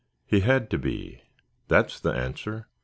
"He had to be; that's the answer.